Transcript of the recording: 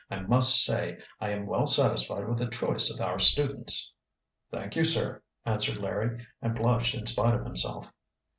"I must say I am well satisfied with the choice of our students." "Thank you, sir," answered Larry, and blushed in spite of himself.